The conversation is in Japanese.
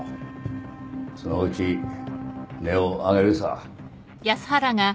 そのうち音を上げるさ。